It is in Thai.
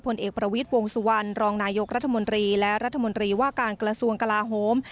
ผลเอกประวิทย์วงสุวรรณรองนายกรัฐมนตรีและรัฐมนตรีว่าการกระทรวงกลาโฮม